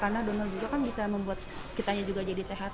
karena donor juga kan bisa membuat kitanya juga jadi sehat